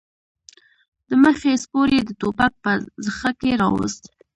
د مخې سپور يې د ټوپک په زخه کې راووست.